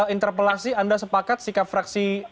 interpelasi anda sepakat sikap fraksi